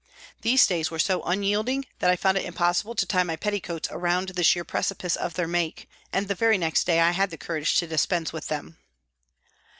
These stays were so unyielding that I found it impossible to tie my petticoats around the sheer precipice of their make, and the very next day I had the courage to dispense with them.